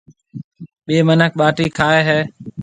ٻَي مِنک ٻاٽِي کائي هيَ۔